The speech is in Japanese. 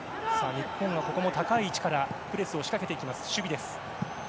日本がここも高い位置からプレスを仕掛けていきます。